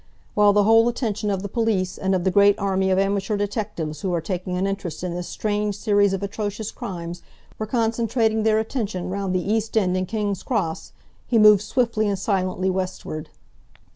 While the whole attention of the police, and of the great army of amateur detectives who are taking an interest in this strange series of atrocious crimes, were concentrating their attention round the East End and King's Cross, he moved swiftly and silently Westward.